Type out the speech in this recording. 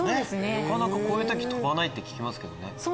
なかなかこういう時飛ばないって聞きますけど。